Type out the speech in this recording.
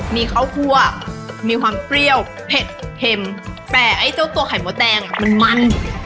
มีข้าวคั่วมีความเปรี้ยวเผ็ดเค็มแต่ไอ้เจ้าตัวไข่มดแดงอ่ะมันมัน